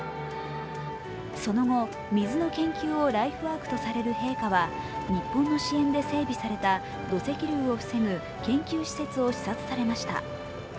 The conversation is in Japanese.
その後、水の研究をライフワークとされる陛下は日本の支援で整備された土石流を防ぐ研究施設を視察されました。